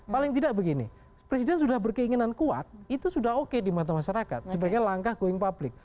paling tidak begini presiden sudah berkeinginan kuat itu sudah oke di mata masyarakat sebagai langkah going public